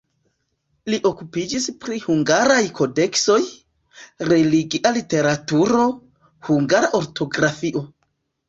Li okupiĝis pri hungaraj kodeksoj, religia literaturo, hungara ortografio.